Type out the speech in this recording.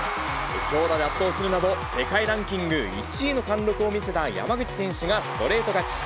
強打で圧倒するなど、世界ランキング１位の貫録を見せた山口選手がストレート勝ち。